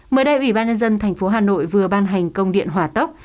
mới đây ủy ban nhân dân tp hcm vừa ban hành công điện hòa tốc